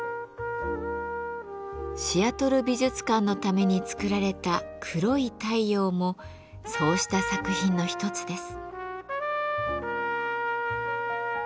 シアトル美術館のために作られた「黒い太陽」もそうした作品の一つです。